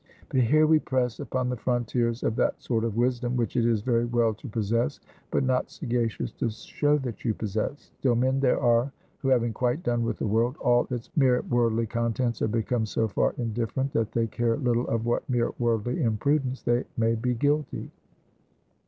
But here we press upon the frontiers of that sort of wisdom, which it is very well to possess, but not sagacious to show that you possess. Still, men there are, who having quite done with the world, all its mere worldly contents are become so far indifferent, that they care little of what mere worldly imprudence they may be guilty.